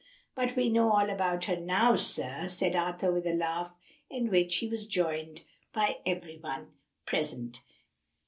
"But we know all about her now, sir," said Arthur with a laugh, in which he was joined by every one present.